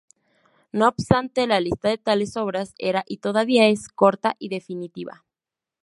No obstante, la lista de tales obras era, y todavía es, corta y definitiva.